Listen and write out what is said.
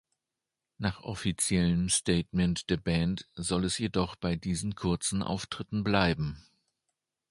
Nach offiziellem Statement der Band soll es jedoch bei diesen kurzen Auftritten bleiben.